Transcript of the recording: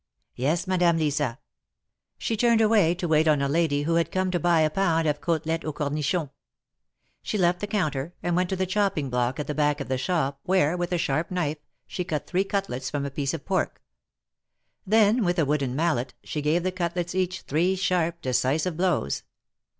Yes, Madame Lisa." She turned away to wait on a lady who had come to THE MARKETS OF PARIS. 91 buy a pounfl of Cotelettes aux cornichons, Slie left ibe counter, and went to the chopping block at the back of the shop, where, with a sharp knife, she cut three cutlets from a piece of pork. Then, with a wooden mallet, she gave the cutlets each, three sharp, decisive blows.